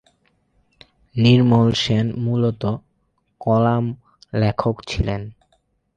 নির্মল সেন মূলত: কলাম লেখক ছিলেন।